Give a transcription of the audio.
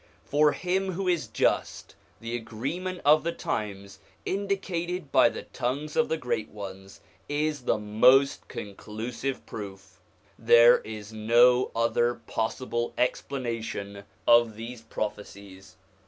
For him who is just, the agreement of the times indicated by the tongues of the Great Ones is the most conclusive proof. There is no other possible explanation of these prophecies.